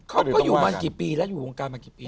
เขาก็อยู่มากี่ปีแล้วอยู่วงการมากี่ปี